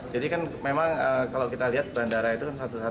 jadi kan memang kalau kita lihat bandara itu